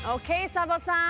サボさん